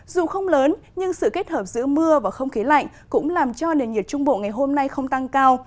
dù không lớn nhưng sự kết hợp giữa mưa và không khí lạnh cũng làm cho nền nhiệt trung bộ ngày hôm nay không tăng cao